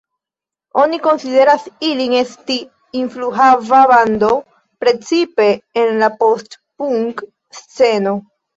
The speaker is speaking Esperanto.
Oni konsideras ilin esti influhava bando precipe en la post-punk-sceno.